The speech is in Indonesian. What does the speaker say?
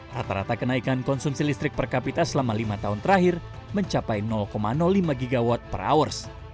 rata rata kenaikan konsumsi listrik per kapita selama lima tahun terakhir mencapai lima gw per hours